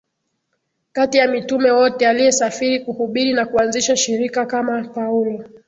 kati ya mitume wote aliyesafiri kuhubiri na kuanzisha shirika kama Paulo